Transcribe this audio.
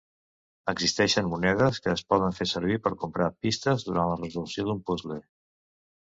Existeixen monedes que es poden fer servir per comprar pistes durant la resolució d'un puzle.